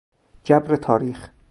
جبر تاریخ